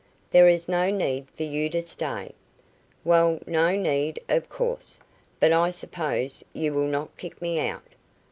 "There is no need for you to stay." "Well, no need, of course; but I suppose you will not kick me out."